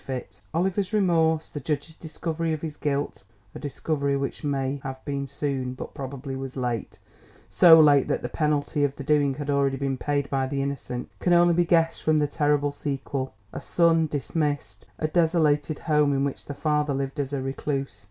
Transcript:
[Illustration: map] Oliver's remorse, the judge's discovery of his guilt (a discovery which may have been soon but probably was late so late that the penalty of the doing had already been paid by the innocent), can only be guessed from the terrible sequel: a son dismissed, a desolated home in which the father lived as a recluse.